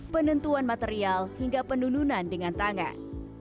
penentuan material hingga penununan dengan tangan